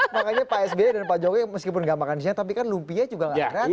makanya pak s b dan pak jokowi meskipun gak makan siang tapi kan lumpia juga gak gratis